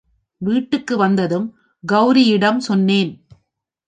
வீட்டுக்கு வந்ததும், கௌரியிடம் சொன்னேன்.